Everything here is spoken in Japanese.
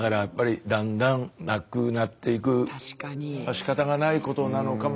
しかたがないことなのかも。